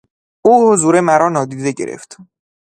او حضور مرا نادیده گرفت.